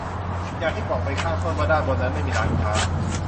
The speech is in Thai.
อย่างที่บอกไปข้างต้นว่าด้านบนนั้นไม่มีร้านค้า